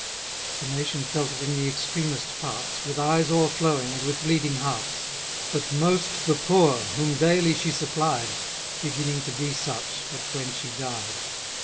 } The nation felt it in the extremest parts, With eyes o'erflowing, and with bleeding hearts; But most the poor, whom daily she supplied, Beginning to be such, but when she died.